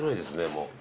もう。